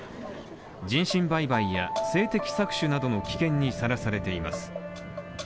人身売買や、性的搾取などの危険にさらされています。